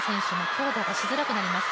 強打がしづらくなります。